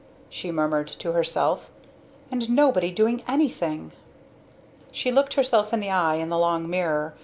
she murmured to herself. "And nobody doing anything!" She looked herself in the eye in the long mirror.